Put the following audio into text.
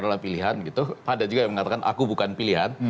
ada juga yang mengatakan aku bukan pilihan